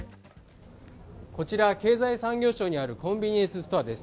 こちら経済産業省にあるコンビニエンスストアです。